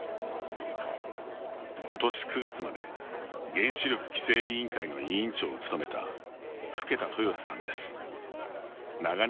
今年９月まで原子力規制委員会の委員長を務めた更田豊志さんです。